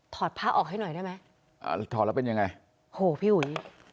ผ้าออกให้หน่อยได้ไหมอ่าแล้วถอดแล้วเป็นยังไงโหพี่อุ๋ย